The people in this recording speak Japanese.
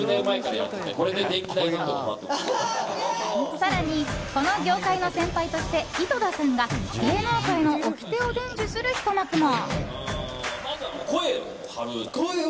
更に、この業界の先輩として井戸田さんが芸能界のおきてを伝授するひと幕も。